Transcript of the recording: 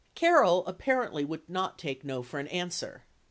Carroll apparently would not take "No" for an answer.